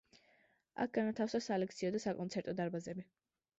აქ განათავსეს სალექციო და საკონცერტო დარბაზები.